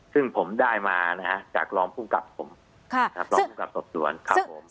ซึ่งผมได้มานะฮะจากรองภูมิกับผมรองภูมิกับสอบสวนครับผม